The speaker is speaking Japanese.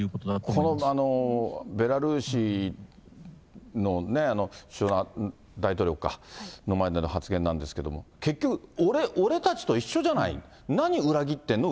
このベラルーシの大統領の前での発言なんですけれども、結局、俺たちと一緒じゃない、何裏切ってんの？